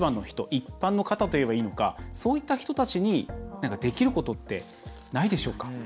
一般の方といえばいいのかそういった方たちにできることってないでしょうか。